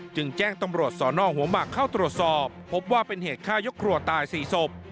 จึงแจ้งตำรวจสอนอหัวหมากเข้าตรวจสอบพบว่าเป็นเหตุฆ่ายกครัวตาย๔ศพ